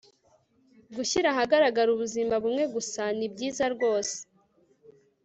Gushyira ahagaragara ubuzima bumwe gusa ni byiza rwose